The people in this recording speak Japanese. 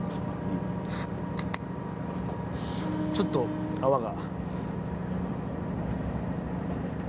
ちょっと泡が。